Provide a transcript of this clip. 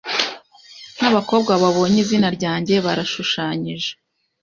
Nkabakobwa babonye izina ryanjye barashushanyije